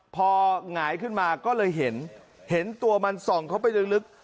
พอหงายขึ้นมาก็เลยเห็นเห็นตัวมันส่องเข้าไปลึก